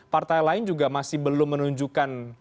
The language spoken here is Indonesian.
partai lain juga masih belum menunjukkan